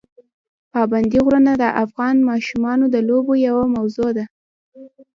پابندي غرونه د افغان ماشومانو د لوبو یوه موضوع ده.